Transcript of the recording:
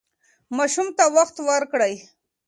ماشوم ته وخت ورکړئ.